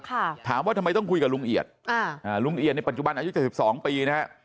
ถามว่าทำไมต้องคุยกับลุงเอียดอ่าอ่าลุงเอียดในปัจจุบันอายุเจ็ดสิบสองปีนะฮะ